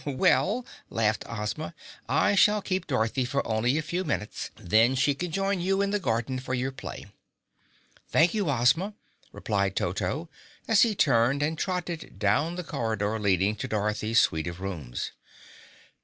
"Well," laughed Ozma, "I shall keep Dorothy for only a few minutes, then she can join you in the garden for your play." "Thank you, Ozma," replied Toto as he turned and trotted down the corridor leading to Dorothy's suite of rooms.